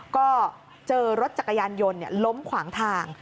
ก็เจอรถจักรยานยนต์ล้มขวางทาง